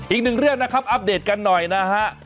อีกหนึ่งเรื่องนะครับอัปเดตกันหน่อยนะฮะ